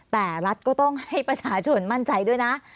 แต่รัฐก็ต้องให้ประชาชนมั่นใจด้วยนะ